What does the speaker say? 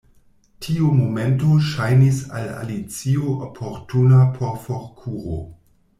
Tiu momento ŝajnis al Alicio oportuna por forkuro.